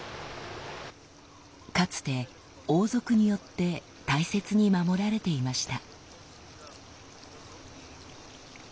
かつて王族によって大切に守られていました。